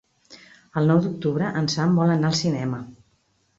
El nou d'octubre en Sam vol anar al cinema.